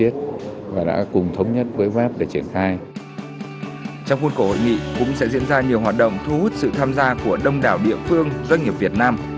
trong khuôn khổ hội nghị cũng sẽ diễn ra nhiều hoạt động thu hút sự tham gia của đông đảo địa phương doanh nghiệp việt nam